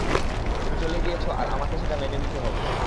তুমি চলে গিয়েছো আর আমাকে সেটা মেনে নিতে হবে।